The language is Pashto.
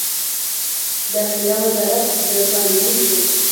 داخله وزارت د قانوني شو.